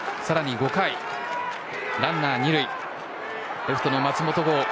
更に５回、ランナー２塁でレフトの松本剛。